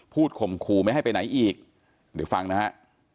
ข่มขู่ไม่ให้ไปไหนอีกเดี๋ยวฟังนะฮะ